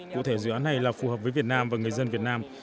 cụ thể dự án này là phù hợp với việt nam và người dân việt nam